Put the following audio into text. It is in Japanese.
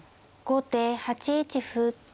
後手８一歩。